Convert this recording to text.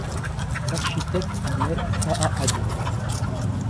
L'architecte en est Zaha Hadid.